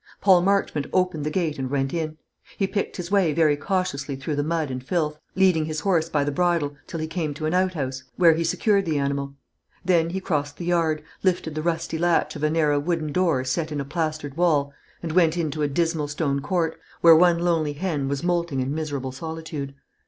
Paul Marchmont opened the gate and went in. He picked his way very cautiously through the mud and filth, leading his horse by the bridle till he came to an outhouse, where he secured the animal. Then he crossed the yard, lifted the rusty latch of a narrow wooden door set in a plastered wall, and went into a dismal stone court, where one lonely hen was moulting in miserable solitude.